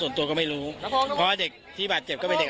ส่วนตัวก็ไม่รู้เพราะว่าเด็กที่บาดเจ็บก็เป็นเด็ก